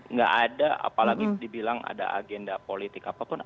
nggak ada apalagi dibilang ada agenda politik apapun